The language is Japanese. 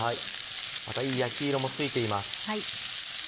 またいい焼き色もついています。